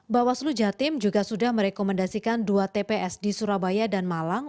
bawaslu jatim juga sudah merekomendasikan dua tps di surabaya dan malang